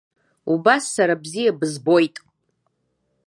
Убас сара бзиа бызбоит!